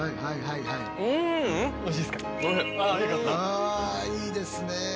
あいいですね。